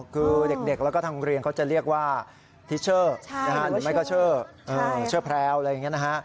คือเด็กแล้วก็ทางโรงเรียนเขาจะเรียกว่าทิเชอร์หรือไม่ก็เชอร์แพรวอะไรอย่างนี้นะฮะ